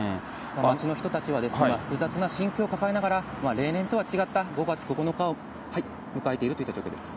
街の人たちは、複雑な心境を抱えながら、例年とは違った５月９日を迎えているという状況です。